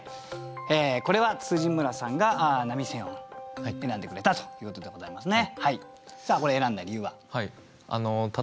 これは村さんが並選を選んでくれたということでございますね。